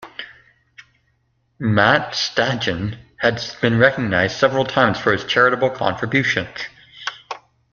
Matt Stajan has been recognized several times for his charitable contributions.